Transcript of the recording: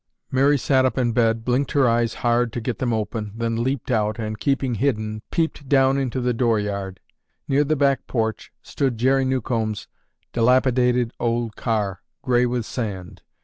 Mary sat up in bed, blinked her eyes hard to get them open, then leaped out, and, keeping hidden, peeped down into the door yard. Near the back porch stood Jerry Newcomb's dilapidated old car, gray with sand.